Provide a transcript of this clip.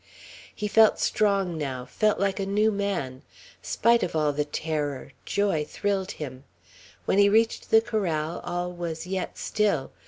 He felt strong now, felt like a new man. Spite of all the terror, joy thrilled him. When he reached the corral, all was yet still.